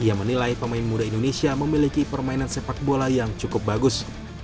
ia menilai pemain muda indonesia memiliki permainan sepak bola yang cukup bagus